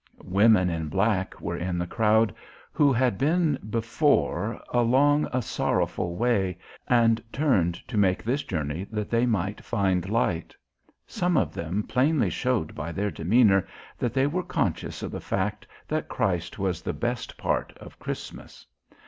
Women in black were in the crowd who had been before along a sorrowful way and turned to make this journey that they might find light. Some of them plainly showed by their demeanor that they were conscious of the fact that Christ was the best part of Christmas.